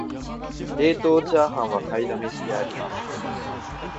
冷凍チャーハンは買いだめしてあります